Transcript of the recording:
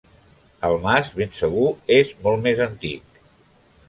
El mas, ben segur, és molt més antic.